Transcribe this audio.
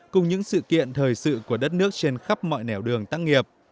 cùng những sự kiện thời sự của đất nước trên khắp mọi nẻo đường